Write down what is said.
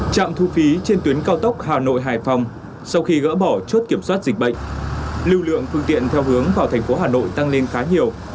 trạm thu phí trên tuyến cao tốc hà nội hải phòng sau khi gỡ bỏ chốt kiểm soát dịch bệnh lưu lượng phương tiện theo hướng vào thành phố hà nội tăng lên khá nhiều